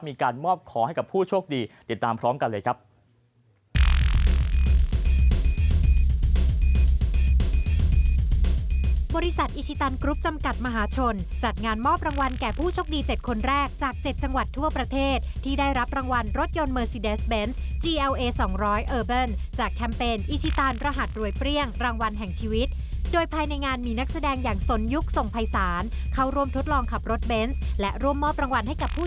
มีการมอบขอให้กับผู้โชคดีติดตามพร้อมกันเลยครับ